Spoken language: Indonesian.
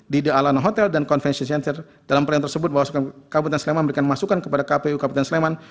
di the alano hotel dan convention center dalam brand tersebut bahwa kabupaten sleman memberikan masukan kepada kpu kabupaten sleman